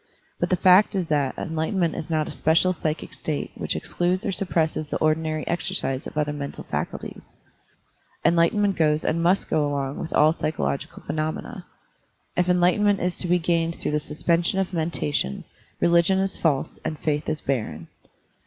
But the fact is that enlightenment is not a special psychic state Digitized by Google SPIRITUAL ENLIGHTENMENT 1 39 which excludes or suppresses the ordinary exer cise of other mental faculties. Enlightenment goes and must go along with all psychological phenomena. If enlightenment is to be gained through the suspension of mentation, religion is false and faith is barren.